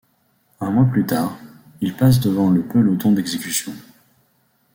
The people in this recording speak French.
Un mois plus tard, il passe devant le peloton d'exécution.